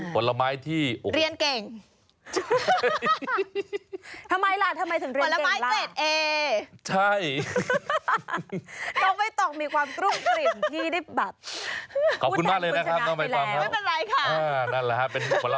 ผลไม้ที่เรียนเก่ง